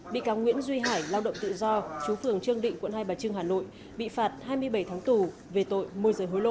bị cáo nguyễn duy hải lao động tự do chú phường trương định quận hai bà trưng hà nội bị phạt hai mươi bảy tháng tù về tội môi rời hối lộ